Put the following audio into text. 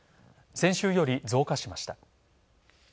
先週より増加しました。